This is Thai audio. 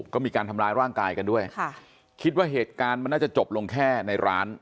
ก็มีการทำร้ายร่างกายกันด้วยค่ะคิดว่าเหตุการณ์มันน่าจะจบลงแค่ในร้าน